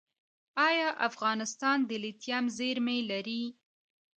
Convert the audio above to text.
آیا افغانستان د لیتیم زیرمې لري؟